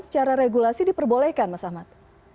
secara regulasi diperbolehkan mas ahmad